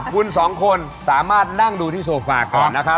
คุณสองคนสามารถนั่งดูที่โฟฟ่า